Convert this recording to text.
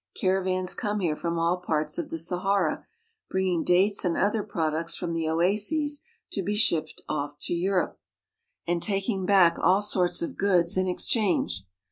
Caravans come here from all parts of the Sahara, bringing dates and other products from the oases to be shipped off to Europe, a.ad. 62 AFRICA taking back all sorts of goods in exchange.